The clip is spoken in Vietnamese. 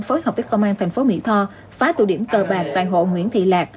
phối hợp với công an thành phố mỹ tho phá tụ điểm cờ bạc tại hộ nguyễn thị lạc